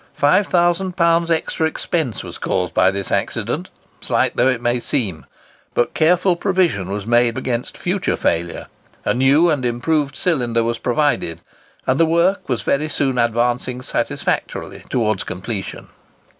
Five thousand pounds extra expense was caused by this accident, slight though it might seem. But careful provision was made against future failure; a new and improved cylinder was provided: and the work was very soon advancing satisfactorily towards completion."